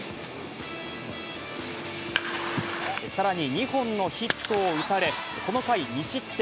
さらに２本のヒットを打たれ、この回、２失点。